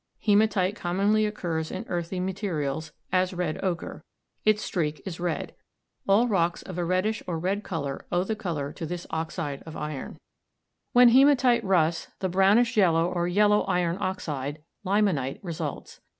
Hematite commonly occurs in earthy materials, as red ochre. Its streak is red. All rocks of a reddish or red color owe the color to this oxide of iron. When hematite rusts, the brownish yellow or yellow iron oxide, limonite, results.